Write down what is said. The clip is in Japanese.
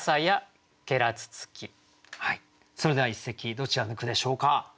それでは一席どちらの句でしょうか。